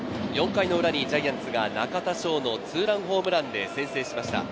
４回の裏にジャイアンツが中田翔のツーランホームランで先制しました。